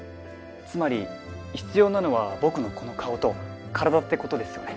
つまり必要なのは僕のこの顔と体ってことですよね